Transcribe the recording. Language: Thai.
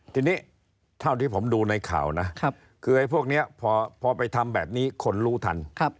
ทีนี้เท่าที่ผมดูในข่าวนะคือไอ้พวกนี้พอไปทำแบบนี้คนรู้ทัน